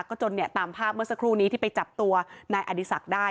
ก็จนเนี่ยตามภาพเมื่อสักครู่นี้ที่ไปจับตัวนายอดีศักดิ์ได้